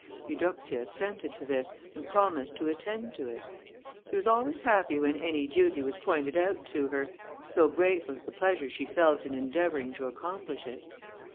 Eudoxia assented to this, and promised to attend to it. She was always happy when any duty was pointed out to her, so great was the pleasure she felt in endeavouring to accomplish it.